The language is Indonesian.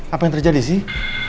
apa yang terjadi sih